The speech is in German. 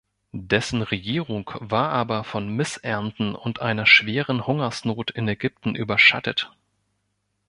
Dessen Regierung war aber von Missernten und einer schweren Hungersnot in Ägypten überschattet.